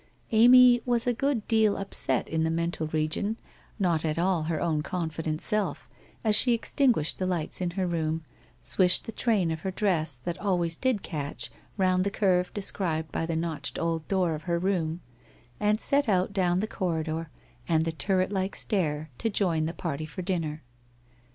Amy was a good deal upset in the mental region, not at all her own confident self, as she extinguished the lights in her room, swished the train of her dress, that always did catch, round the curve described by the notched old door of her room, and set out down the corridor and the turret like stair to join the party for dinner.